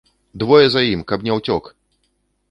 Двое за ім, каб не ўцёк!